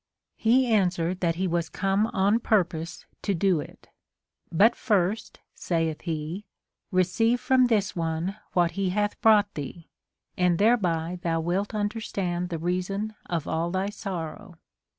He answered that he was come on purpose to do it. But first, saith he, receive from this one what he hath brought thee, and thereby thou wilt understand the reason of all thy sorrow.